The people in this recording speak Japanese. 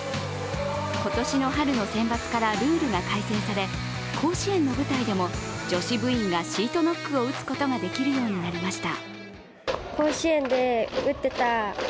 今年の春のセンバツからルールが改正され、甲子園の舞台でも女子部員がシートノックを打つことができるようになりました。